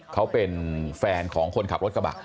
เขาเป็นแฟนของคนขับรถกระบะ